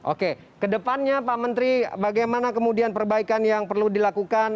oke kedepannya pak menteri bagaimana kemudian perbaikan yang perlu dilakukan